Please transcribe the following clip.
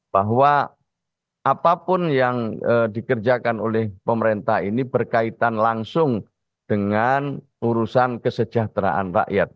bahwa apapun yang dikerjakan oleh pemerintah ini berkaitan langsung dengan urusan kesejahteraan rakyat